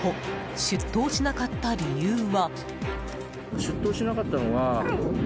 出頭しなかった理由は。